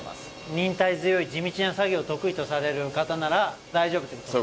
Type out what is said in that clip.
忍耐強い地道な作業を得意とされる方なら大丈夫ってことですね。